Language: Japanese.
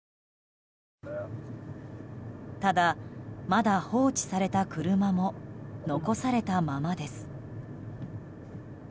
ただ、まだ放置された車も残されたままです。